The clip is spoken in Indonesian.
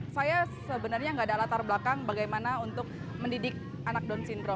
saya sebenarnya nggak ada latar belakang bagaimana untuk mendidik anak down syndrome